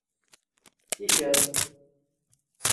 Siker.